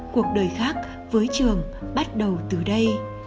cuộc đời khác với trường bắt đầu từ đây